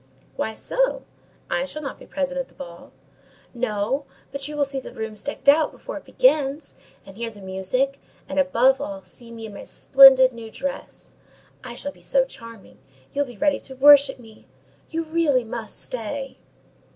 "Why so?—I shall not be present at the ball." "No, but you will see the rooms decked out before it begins, and hear the music, and, above all, see me in my splendid new dress. I shall be so charming, you'll be ready to worship me—you really must stay."